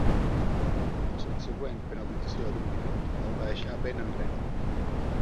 La subsegüent penalització d'un minut el va deixar bé enrere.